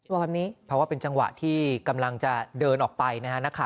บอกแบบนี้เพราะว่าเป็นจังหวะที่กำลังจะเดินออกไปนะฮะ